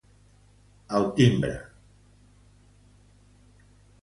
Al timbre la Corona Reial Espanyola.